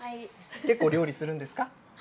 結構料理するんですか。